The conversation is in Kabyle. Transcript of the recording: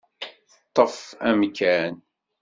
Ṭṭef amkan.